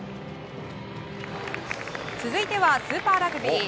続いてはスーパーラグビー。